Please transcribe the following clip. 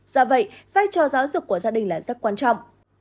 do vậy vai trò giáo dục của gia đình là rất quan trọng